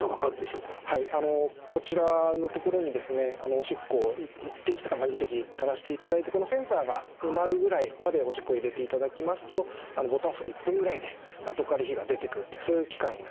おしっこを１滴とか２滴たらしていただいてこのセンサーが埋まるぐらいまでおしっこ入れていただきますとボタンを押すと１分ぐらいでナトカリ比が出てくるというそういう機械になっています。